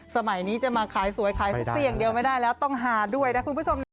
สมัยนี้จะมาขายสวยขายทุกสิ่งอย่างเดียวไม่ได้แล้วต้องหาด้วยนะคุณผู้ชมนะ